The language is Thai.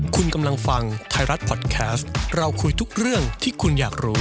คุณกำลังฟังไทยรัฐพอดแคสต์เราคุยทุกเรื่องที่คุณอยากรู้